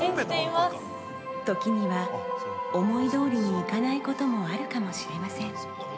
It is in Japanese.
時には、思いどおりにいかないこともあるかもしれません。